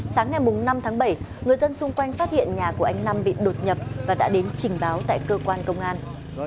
sáng ngày năm tháng bảy người dân xung quanh phát hiện nhà của anh nam bị đột nhập và đã đến trình báo tại cơ quan công an